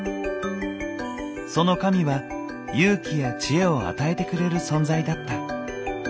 その神は「勇気」や「知恵」を与えてくれる存在だった。